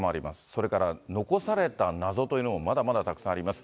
それから残された謎というのもまだまだたくさんあります。